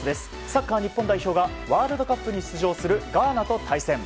サッカー日本代表がワールドカップに出場するガーナと対戦。